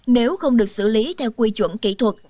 nếu không được xử lý theo quy chuẩn kỹ thuật